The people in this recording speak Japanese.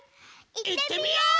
いってみよう！